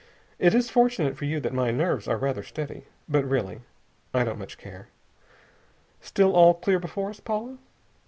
It is fortunate for you that my nerves are rather steady. But really, I don't much care.... Still all clear before us, Paula?